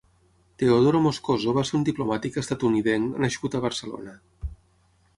Teodoro Moscoso va ser un diplomàtic estatunidenc nascut a Barcelona.